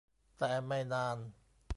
แต่ไม่นาน